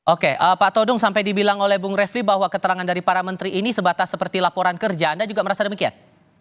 oke pak todung sampai dibilang oleh bung refli bahwa keterangan dari para menteri ini sebatas seperti laporan kerja anda juga merasa demikian